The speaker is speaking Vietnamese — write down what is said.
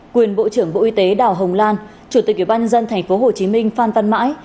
quyền bộ trưởng bộ y tế đào hồng lan chủ tịch ủy ban nhân dân tp hcm phan văn mãi